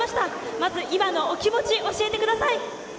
まず今のお気持ち教えてください。